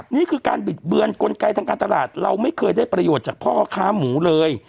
นี่คือการบิดเบือนกลไกทางการตลาดเราไม่เคยได้ประโยชน์จากพ่อค้าหมูเลย